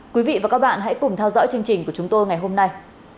quý vị và các bạn hãy cùng theo dõi chương trình của chúng tôi ngày hôm nay